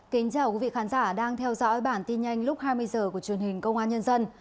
kính chào quý vị khán giả đang theo dõi bản tin nhanh lúc hai mươi h của truyền hình công an nhân dân